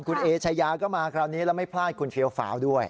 คุณเอชายาก็มาคราวนี้แล้วไม่พลาดคุณเฟียวฟ้าวด้วย